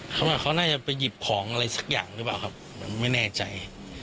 เขาว่าเขาน่าจะไปหยิบของอะไรสักอย่างหรือเปล่าครับผมไม่แน่ใจ